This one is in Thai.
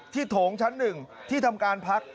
ที่ถงชั้นหนึ่งที่ทำการพัก